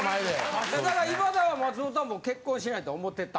だから今田は松本はもう結婚しないと思ってた。